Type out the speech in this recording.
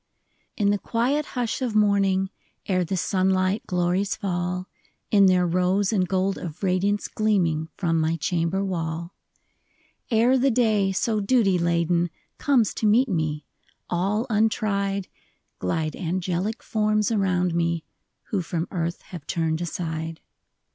N the quiet hush of morning, Ere the sunUght glories fall, In their rose and gold of radiance Gleaming from my chamber wall ; Ere the day, so duty laden, Comes to meet me, all untried, Glide angelic forms around me Who from earth have turned aside.